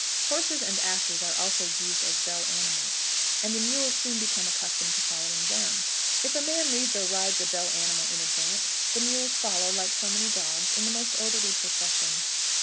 Horses and asses are also used as bell animals, and the mules soon become accustomed to following them. If a man leads or rides a bell animal in advance, the mules follow, like so many dogs, in the most orderly procession.